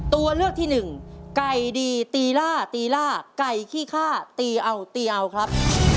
ตัวเลือกที่หนึ่งไก่ดีตีล่าตีล่าไก่ขี้ฆ่าตีเอาตีเอาครับ